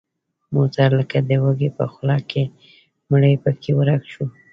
موټر لکه د وږي په خوله کې مړۍ پکې ورک شو.